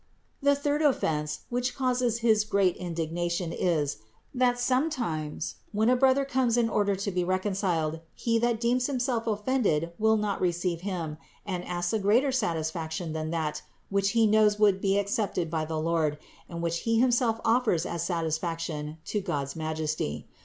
The third offense, which causes his great indignation, is, that sometimes, when a brother comes in order to be reconciled, he that deems himself offended will not receive him and asks a greater satisfaction than that which he knows would be accepted by the Lord, and which he himself offers as satisfaction to God's Majesty.